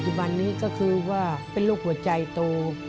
บันนี้ก็คือว่าเป็นโรคหัวใจโต